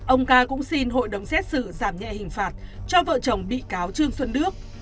ông ca cũng xin hội đồng xét xử giảm nhẹ hình phạt cho vợ chồng bị cáo trương xuân đức